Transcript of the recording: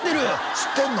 知ってんの？